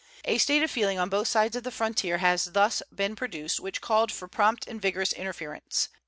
A state of feeling on both sides of the frontier has thus been produced which called for prompt and vigorous interference.